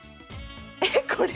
えっこれ？